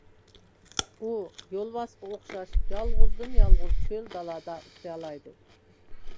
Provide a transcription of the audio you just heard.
ئۇ يولۋاسقا ئوخشاش يالغۇزدىن-يالغۇز چۆل-دالادا ئۇخلىيالايدۇ.